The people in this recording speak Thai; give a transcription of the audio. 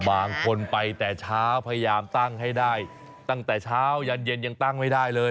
บางคนไปแต่เช้าพยายามตั้งให้ได้ตั้งแต่เช้ายันเย็นยังตั้งไม่ได้เลย